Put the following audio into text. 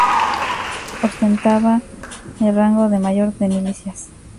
Ostentaba el rango de mayor de milicias.